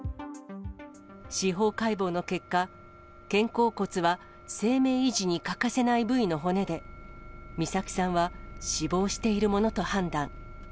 司法解剖の結果、肩甲骨は生命維持に欠かせない部位の骨で、美咲さんは死亡しているものと判断。